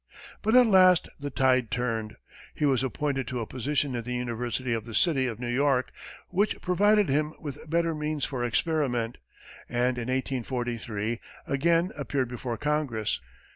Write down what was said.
But at last the tide turned. He was appointed to a position in the University of the City of New York, which provided him with better means for experiment, and in 1843, again appeared before Congress.